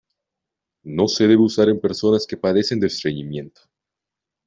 No se debe usar en personas que padecen de estreñimiento.